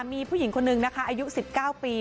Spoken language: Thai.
มีผู้หญิงคนนึงนะคะอายุ๑๙ปี